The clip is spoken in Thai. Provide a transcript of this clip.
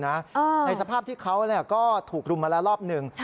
ในสภาพที่เขาก็ถูกรุมมาแล้วรอบหนึ่ง